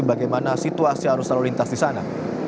bagaimana situasi arus lalu lintas di sana